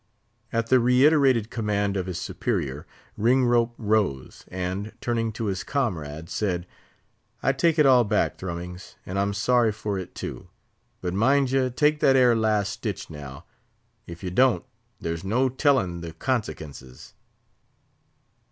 At the reiterated command of his superior, Ringrope rose, and, turning to his comrade, said, "I take it all back, Thrummings, and I'm sorry for it, too. But mind ye, take that 'ere last stitch, now; if ye don't, there's no tellin' the consekenses."